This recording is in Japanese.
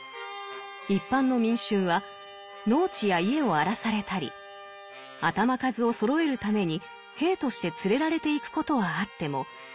一般の民衆は農地や家を荒らされたり頭数をそろえるために兵として連れられていくことはあっても